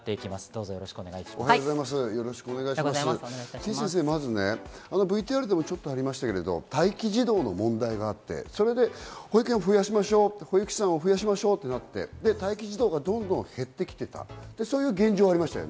てぃ先生、まずはＶＴＲでもありましたが待機児童の問題があって、それで保育園を増やしましょう、保育士さんを増やしましょうとなって、待機児童が減ってきていた、そういう現状がありました。